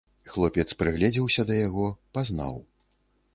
Хлопец прыгледзеўся да яго, пазнаў.